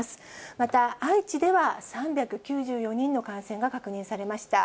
また愛知では３９４人の感染が確認されました。